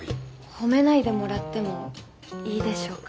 褒めないでもらってもいいでしょうか。